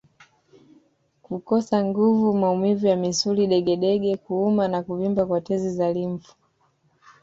Kukosa nguvu maumivu ya misuli degedege kuuma na kuvimba kwa tezi za limfu